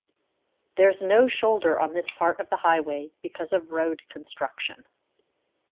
There's no shoulder on this part of the highway because of road construction.